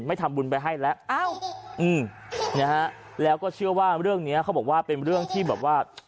ไม่ทำบุญไปให้แล้วอ้าวอืมนะฮะแล้วก็เชื่อว่าเรื่องเนี้ยเขาบอกว่าเป็นเรื่องที่แบบว่า